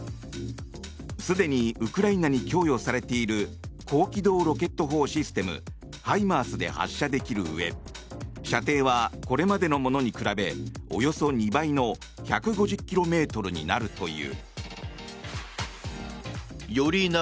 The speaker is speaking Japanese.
すでにウクライナに供与されている高機動ロケット砲システムハイマースで発射できるうえ射程は、これまでのものに比べおよそ２倍の１５０ｋｍになるという。